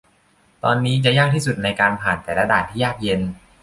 ตอนนี้จะยากที่สุดในการผ่านแต่ละด่านที่ยากเย็น